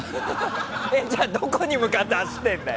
じゃあどこに向かって走ってんだよ。